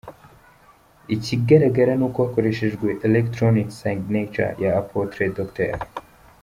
Ikigaragara ni uko hakoreshejwe ‘electronic signature’ ya Apôtre Dr.